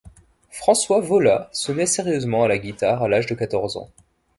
François Vola se met sérieusement à la guitare à l'âge de quatorze ans.